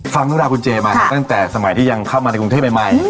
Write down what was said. ฟังธุราคุณเจมส์มาตั้งแต่สมัยที่ยังเข้ามาในกรุงเทศใหม่